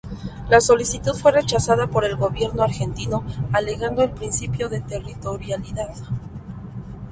La solicitud fue rechazada por el gobierno argentino alegando el principio de territorialidad.